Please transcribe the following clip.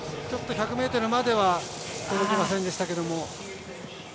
ちょっと１００ｍまでは届きませんでしたけど。